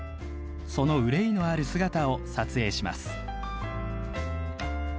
その愁いのある姿を撮影します。